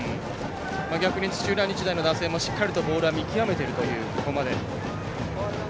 逆に土浦日大の打線もしっかりボールを見極めているというここまで。